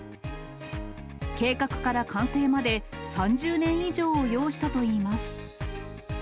計画から完成まで３０年以上を要したといいます。